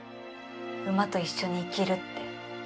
馬と一緒に生きるって。